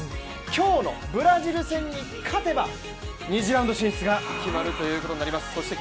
今日のブラジル戦に勝てば、２次ラウンド進出が決まるということになります。